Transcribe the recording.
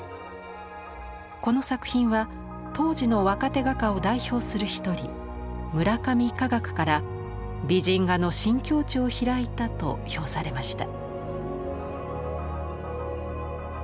この作品は当時の若手画家を代表する一人村上華岳から美人画の新境地を開いたと評されました。